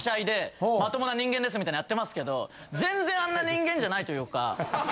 みたいにやってますけど全然あんな人間じゃないというか。